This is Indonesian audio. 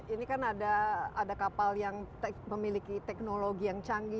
ini kan ada kapal yang memiliki teknologi yang canggih